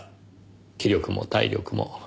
「気力も体力も」